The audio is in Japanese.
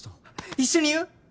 一緒に言う？